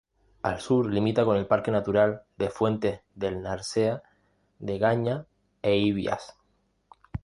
Al sur limita con el Parque Natural de Fuentes del Narcea, Degaña e Ibias.